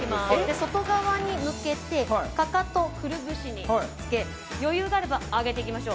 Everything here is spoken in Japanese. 外側に向けてかかとをくるぶしにつけ余裕があれば上げていきましょう。